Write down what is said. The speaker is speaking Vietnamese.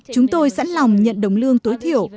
chúng tôi sẵn lòng nhận đồng lương tối thiểu